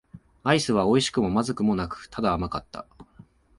アイスは美味しくも不味くもなく、ただ甘かった。